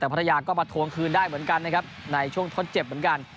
แต่ภรรยาก็มาทวงคืนได้เหมือนกันนะครับในช่วงทดเจ็บเหมือนกัน